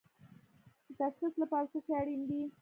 د تشخیص لپاره څه شی اړین دي؟